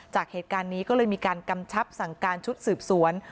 จากเหตุการณ์นี้ก็เลยมีการกำชับสั่งการชุดสืบสวน